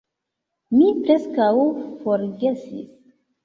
Mi preskaŭ forgesis